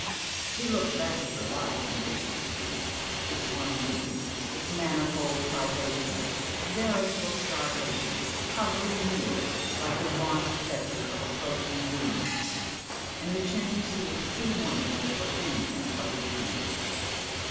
She looks back at her life in Dixon Street, its one room, its manifold privations, veritable starvation hovering near like the wan spectre of approaching doom, and the change seems too wonderful for anything but a dream.